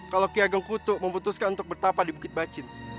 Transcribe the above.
kalau kiageng kutu memutuskan untuk bertapa di bukit bacin